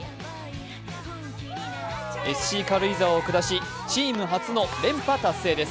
ＳＣ軽井沢を下し、チーム初の連覇達成です。